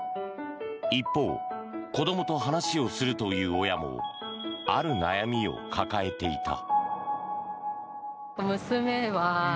一方、子どもと話をするという親もある悩みを抱えていた。